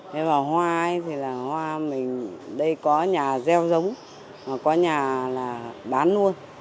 thế mà hoa ấy thì là hoa mình đây có nhà gieo giống mà có nhà là bán luôn